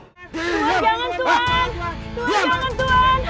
tuan jangan tuan tuan jangan tuan